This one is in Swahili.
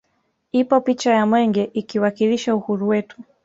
Ipo picha ya mwenge ikiwakilisha uhuru wetu